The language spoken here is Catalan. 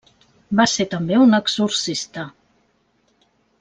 Va ser també un exorcista.